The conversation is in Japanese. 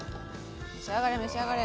召し上がれ召し上がれ！